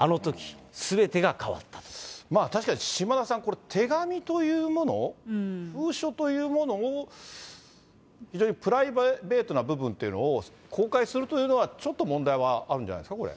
確かに島田さん、これ、手紙というもの、封書というものを、非常にプライベートな部分というのを公開するというのは、ちょっと問題はあるんじゃないですか、これ。